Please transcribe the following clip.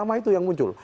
apa itu yang muncul